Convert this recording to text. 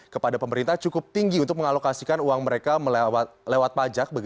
kepada pemerintah cukup tinggi untuk mengalokasikan uang mereka lewat pajak